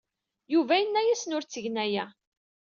Yuba yenna-asen ur ttgen aya.